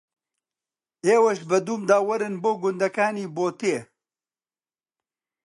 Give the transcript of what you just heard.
ئێوەش بە دوومدا وەرن بۆ گوندەکانی بۆتێ